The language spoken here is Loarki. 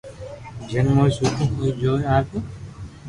جيم ھوئي سٺو ھوئي جوئي ليو